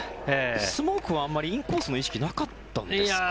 スモークはあまりインコースの意識なかったんですか。